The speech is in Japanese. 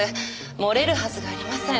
漏れるはずがありません。